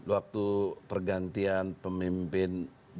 waktu pergantian pemimpin dua ratus dua belas